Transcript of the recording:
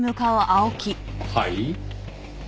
はい？